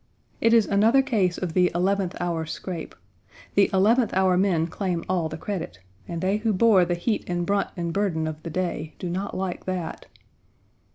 It is another case of the eleventh hour scrape; the eleventh hour men claim all the credit, and they who bore the heat and brunt and burden of the day do not like that.